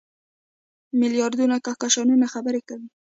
میلیاردونو کهکشانونو خبرې کوي.